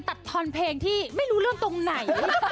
กับเพลงที่มีชื่อว่ากี่รอบก็ได้